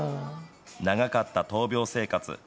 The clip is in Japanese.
長かった闘病生活。